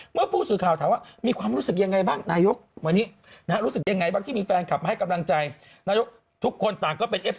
เมื่อผู้สื่อข่าวถามว่า